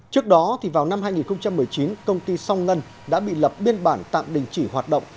trước đó vào năm hai nghìn một mươi chín công ty song ngân đã bị lập biên bản tạm đình chỉ hoạt động